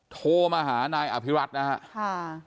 โทรมาหานายอภิรัตนะฮะ